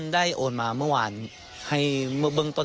ได้โอนมาเมื่อวานเมื่อวาน๑หมื่นบาท